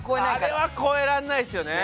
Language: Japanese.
あれは超えられないですよね。